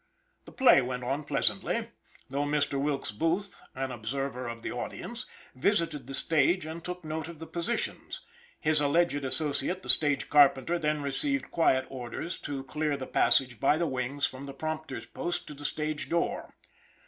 The play went on pleasantly, though Mr. Wilkes Booth an observer of the audience, visited the stage and took note of the positions. His alleged associate, the stage carpenter, then received quiet orders to clear the passage by the wings from the prompter's post to the stage door.